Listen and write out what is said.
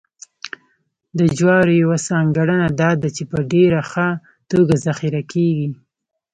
د جوارو یوه ځانګړنه دا ده چې په ډېره ښه توګه ذخیره کېږي